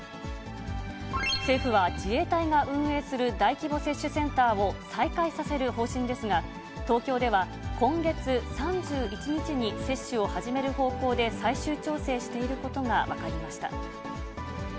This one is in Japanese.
政府は自衛隊が運営する大規模接種センターを再開させる方針ですが、東京では、今月３１日に接種を始める方向で最終調整していることが分かりました。